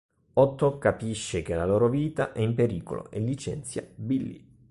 Otto capisce che la loro vita è in pericolo, e licenzia Billy.